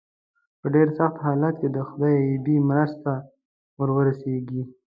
په ډېر سخت حالت کې د خدای غیبي مرسته ور ورسېږي.